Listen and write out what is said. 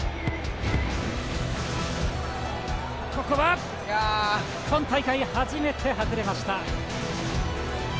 ここは今大会初めて外れました！